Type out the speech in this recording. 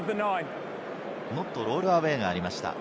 ノットロールアウェイがありました。